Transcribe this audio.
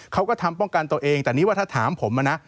เขาก็ทำป้องกันตัวเองแต่นี่ว่าถ้าถามผมนะ